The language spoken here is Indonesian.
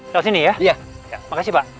kalau sini ya makasih pak